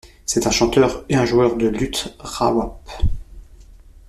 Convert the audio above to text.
C'est un chanteur et un joueur de luth rawap.